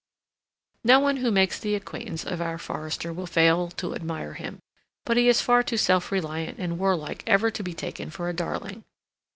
No one who makes the acquaintance of our forester will fail to admire him; but he is far too self reliant and warlike ever to be taken for a darling.